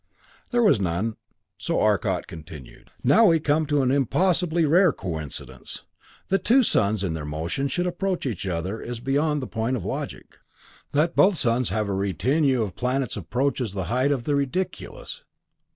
There was none, so Arcot continued: "Now we come to an impossibly rare coincidence. That two suns in their motion should approach each other is beyond the point of logic. That both suns have a retinue of planets approaches the height of the ridiculous.